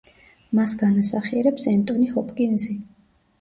მას განასახიერებს ენტონი ჰოპკინზი.